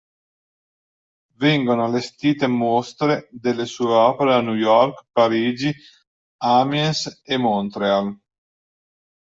Vengono allestite mostre delle sue opere a New York, Parigi, Amiens e Montréal.